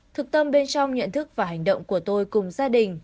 thực tâm bên trong nhận thức và hành động của tôi cùng gia đình